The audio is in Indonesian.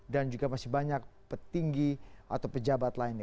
dan juga masih banyak petinggi atau pejabat lainnya